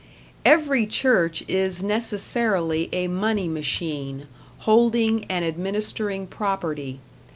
Every church is necessarily a money machine, holding and administering property.